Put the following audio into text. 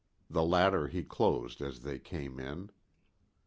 The latter he closed as they came in.